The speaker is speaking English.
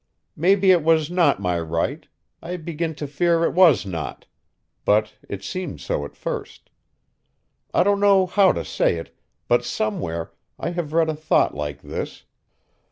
Maybe it was not my right I begin to fear it was not but it seemed so at first. I don't know how to say it, but somewhere I have read a thought like this.